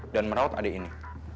dan merawat adik ini